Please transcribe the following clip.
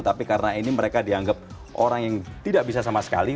tapi karena ini mereka dianggap orang yang tidak bisa sama sekali